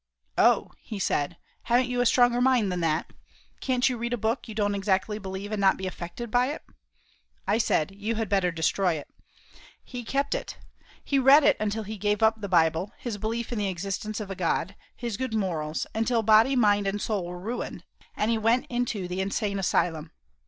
"Oh," he said, "haven't you a stronger mind than that? Can't you read a book you don't exactly believe, and not be affected by it?" I said, "You had better destroy it." He kept it. He read it until he gave up the Bible; his belief in the existence of a God, his good morals; until body, mind and soul were ruined and he went into the insane asylum.